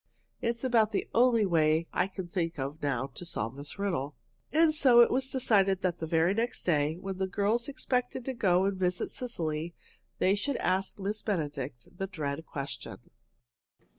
It's about the only way I can think of now to solve this riddle." And so it was decided that the very next day, when the girls expected to go and visit Cecily, they should ask Miss Benedict the dread question.